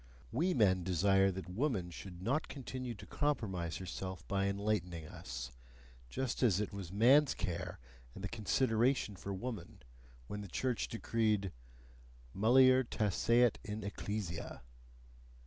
We men desire that woman should not continue to compromise herself by enlightening us; just as it was man's care and the consideration for woman, when the church decreed: mulier taceat in ecclesia.